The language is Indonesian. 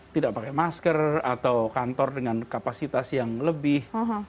tidak pakai masker atau kantor dengan kapasitas yang lebih